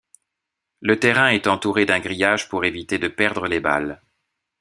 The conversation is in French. Le terrain est entouré d'un grillage pour éviter de perdre les balles.